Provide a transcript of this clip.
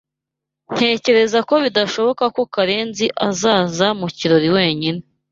Ntekereza ko bidashoboka ko Karenzi azaza mu kirori wenyine.